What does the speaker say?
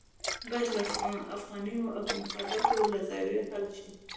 باید له افغاني مفاداتو له زاویې حل شي.